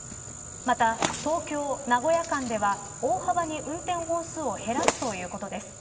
また、東京、名古屋間では大幅に運転本数を減らすということです。